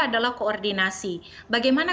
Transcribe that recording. adalah koordinasi bagaimana